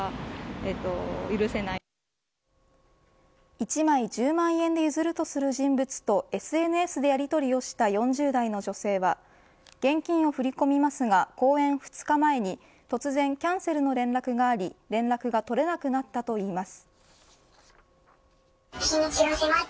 １枚１０万円で譲るとする人物とＳＮＳでやりとりをした４０代の女性は現金を振り込みますが公演２日前に、突然キャンセルの連絡があり連絡が取れなくなったといいます。